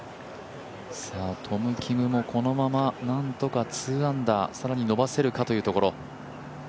トム・キムもこのままなんとか２アンダー更に伸ばせるかというところ。